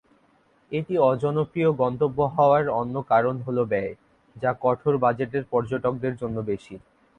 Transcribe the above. এটি অজনপ্রিয় গন্তব্য হওয়ার অন্য কারণ হল ব্যয়, যা কঠোর বাজেটের পর্যটকদের জন্য বেশি।